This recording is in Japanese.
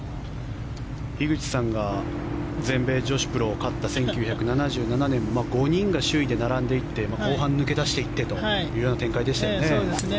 樋口さんが全米女子プロ勝った１９７７年５人が首位で並んでいって後半抜け出していってという展開でしたよね。